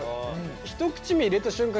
１口目入れた瞬間